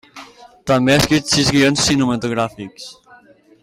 També ha escrit sis guions cinematogràfics.